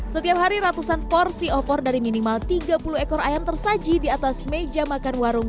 setiap hari ratusan porsi opor dari minimal tiga puluh ekor ayam tersaji di atas meja makan warung